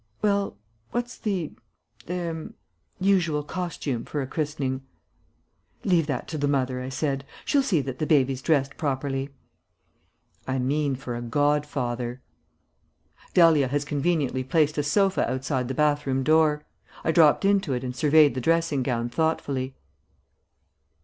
"Well, what's the er usual costume for a christening?" "Leave that to the mother," I said. "She'll see that the baby's dressed properly." "I mean for a godfather." Dahlia has conveniently placed a sofa outside the bathroom door. I dropped into it and surveyed the dressing gown thoughtfully.